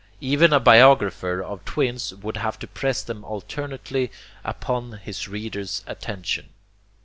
Even a biographer of twins would have to press them alternately upon his reader's attention.